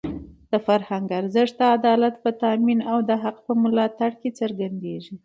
د فرهنګ ارزښت د عدالت په تامین او د حق په ملاتړ کې څرګندېږي.